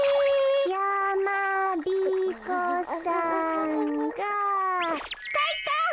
やまびこさんがかいか！